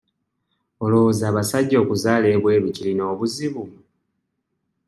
Olowooza abasajja okuzaala ebweru kirina obuzibu?